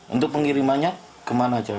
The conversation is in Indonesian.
untuk pengirimannya kemana saja